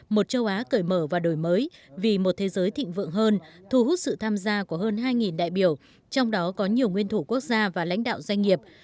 một châu á cởi mở và đổi mới vì một thế giới thịnh vượng hơn thu hút sự tham gia của hơn hai đại biểu trong đó có nhiều nguyên thủ quốc gia và lãnh đạo doanh nghiệp